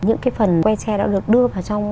những cái phần que tre đã được đưa vào trong